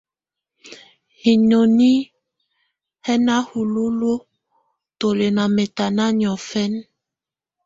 Hinoni hɛ̀ na hululuǝ́ tù lɛ̀ nà mɛ̀tana niɔfɛna.